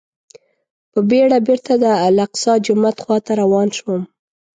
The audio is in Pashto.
په بېړه بېرته د الاقصی جومات خواته روان شوم.